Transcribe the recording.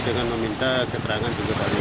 dengan meminta keterangan juga dari